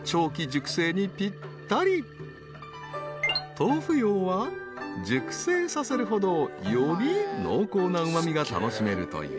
［豆腐ようは熟成させるほどより濃厚なうま味が楽しめるという］